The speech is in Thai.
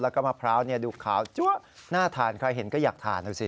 แล้วก็มะพร้าวดูขาวจั๊วน่าทานใครเห็นก็อยากทานดูสิ